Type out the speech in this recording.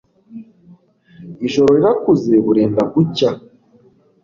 ijoro rirakuze burenda gucya